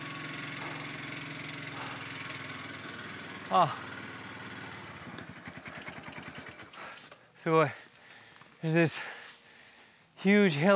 あっすごい。